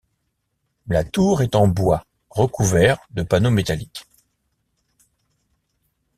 La tour est en bois recouvert de panneaux métalliques.